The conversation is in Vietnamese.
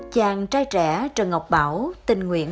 chàng trai trẻ trần ngọc bảo tình nguyện